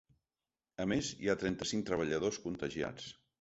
A més, hi ha trenta-cinc treballadors contagiats.